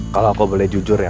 kalau aku boleh jujur ya